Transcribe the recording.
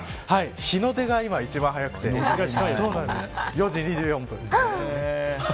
日の出が今、一番早くて４時２４分。